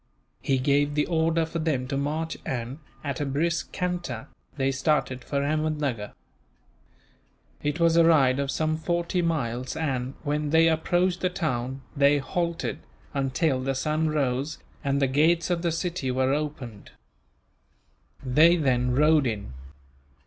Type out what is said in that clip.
He gave the order for them to march and, at a brisk canter, they started for Ahmednuggur. It was a ride of some forty miles and, when they approached the town, they halted until the sun rose and the gates of the city were opened. They then rode in.